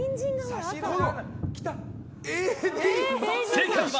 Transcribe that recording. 正解は。